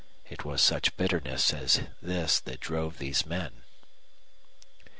It was such bitterness as this that drove these men.